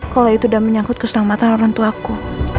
kalau itu udah menyangkut keselamatan orangtuaku